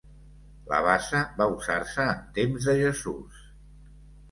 La bassa va usar-se en temps de Jesús.